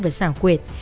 và xảo quyệt